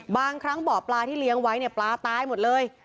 บางครั้งบ่อปลาที่เลี้ยงไว้เนี่ยปลาตายหมดเลย